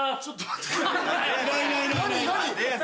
ちょっと待って。